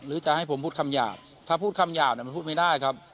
จะให้ผมพูดคำหยาบถ้าพูดคำหยาบมันพูดไม่ได้ครับ